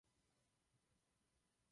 Tam i zemřel.